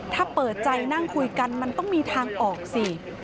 ถ้าเปิดใจนั่งคุยกันมันต้องมีทางออกสิ